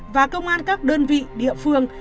và công an các đơn vị địa phương